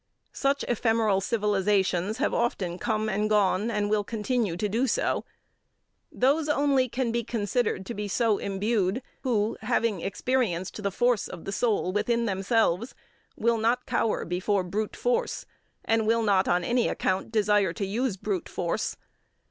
Such ephemeral civilizations have often come and gone, and will continue to do so. Those only can be considered to be so imbued, who, having experienced the force of the soul within themselves, will not cower before brute force, and will not, on any account, desire to use brute force.